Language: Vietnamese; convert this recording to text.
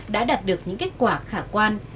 đã đạt được những kết quả khả quan